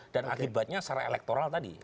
akibatnya secara elektoral tadi